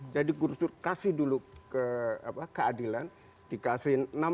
jadi gus dur kasih dulu keadilan dikasih